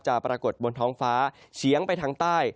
ปรากฏบนท้องฟ้าเฉียงไปทางใต้